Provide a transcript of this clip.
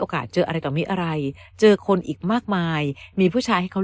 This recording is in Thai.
เจออะไรต่อมิอะไรเจอคนอีกมากมายมีผู้ชายให้เขา